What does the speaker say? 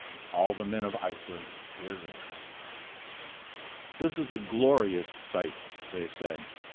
All the men of Iceland were there. "This is a glorious sight," they said.